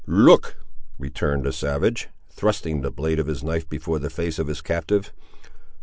"Look!" returned the savage, thrusting the blade of his knife before the face of his captive.